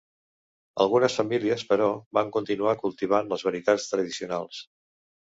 Algunes famílies, però, van continuar cultivant les varietats tradicionals.